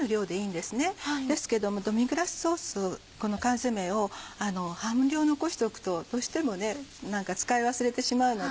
ですけどもドミグラスソースこの缶詰を半量残しておくとどうしても使い忘れてしまうので。